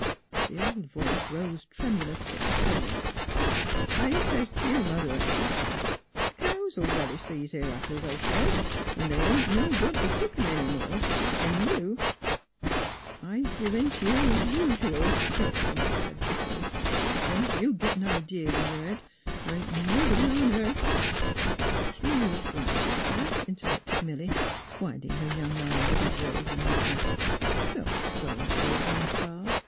" The old voice rose tremulous but deter A NIGHT OF EAIN 101 mined. I sez t' you, * Mother,' I sez, ' the cows '11 relish these 'ere apples,' I sez, ' an' they ain't no good fer cookin' any more,' an' you "" I gin in t' you, es us'al," the woman said, bitterly. '* Once you git an idee in yer head the' can't nobody on airth "'* Please, Gran 'mother," interrupted Milly, winding her young arms about the old woman's neck, " don't scold poor Gran 'pa.